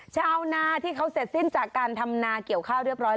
ชาวนาที่เขาเสร็จสิ้นจากการทำนาเกี่ยวข้าวเรียบร้อย